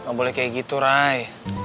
nggak boleh kayak gitu rai